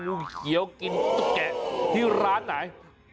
เขียวกินตุ๊กแกะที่ร้านไหน